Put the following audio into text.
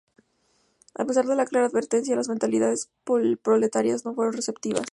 A pesar de la clara advertencia las mentalidades proletarias no fueron receptivas.